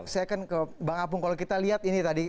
saya akan ke bang apung kalau kita lihat ini tadi